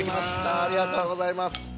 ありがとうございます。